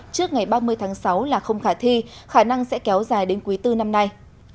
trước ngày ba mươi tháng sáu là không khả thi khả năng sẽ kéo dài đến quý bốn năm nay